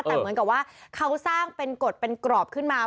แต่เหมือนกับว่าเขาสร้างเป็นกฎเป็นกรอบขึ้นมา